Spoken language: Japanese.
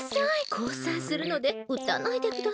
こうさんするのでうたないでください！